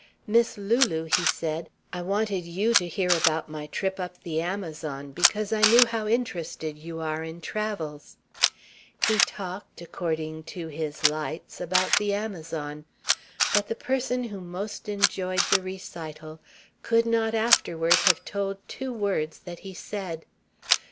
"Miss Lulu," he said, "I wanted you to hear about my trip up the Amazon, because I knew how interested you are in travels." He talked, according to his lights, about the Amazon. But the person who most enjoyed the recital could not afterward have told two words that he said.